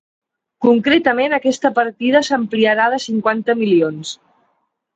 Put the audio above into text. Concretament, aquesta partida s’ampliarà de cinquanta milions.